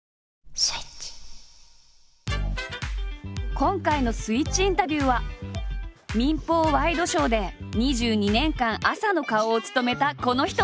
今回の「スイッチインタビュー」は民放ワイドショーで２２年間朝の顔を務めたこの人。